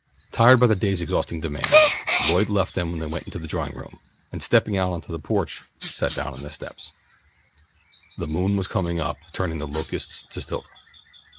Tired by the day's exhausting demands, Lloyd left them when they went into the drawing room, and stepping out on the porch sat down on the steps. The moon was coming up, turning the locusts to silver.